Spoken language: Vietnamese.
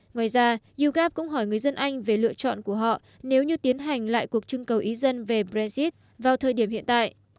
ngoài ra yougov cũng hỏi người dân anh về lựa chọn của họ nếu như tiến hành lại cuộc trưng cầu ý dân về brexit vào thời điểm hiện tại